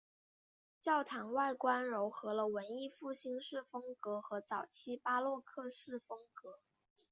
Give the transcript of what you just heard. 教堂外观揉合了文艺复兴式风格和早期巴洛克式风格。